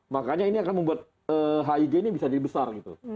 makanya ini akan membuat hig ini bisa dibesar